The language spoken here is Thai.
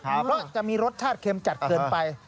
เพราะจะมีรสชาติเค็มจัดเกินไป